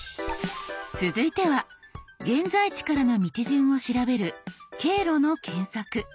続いては現在地からの道順を調べる「経路の検索」。